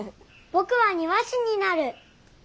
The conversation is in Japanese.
ぼくは「庭師」になる。